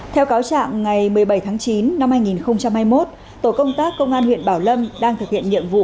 theo cáo trạng ngày một mươi bảy tháng chín năm hai nghìn hai mươi một tổ công tác công an huyện bảo lâm đang thực hiện nhiệm vụ